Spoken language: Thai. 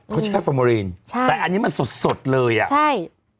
เขาใช้ฟอร์โมรีนใช่แต่อันนี้มันสดสดเลยอ่ะใช่